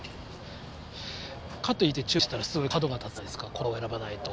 かと言って注意したらすごい角が立つじゃないですか言葉を選ばないと。